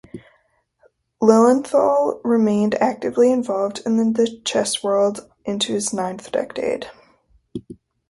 Lilienthal remained actively involved in the chess world into his ninth decade.